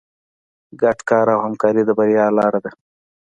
ګډ کار او همکاري د بریا لاره ده.